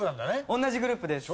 同じグループです。